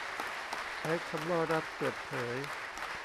ใช้คำว่ารัฐเปิดเผย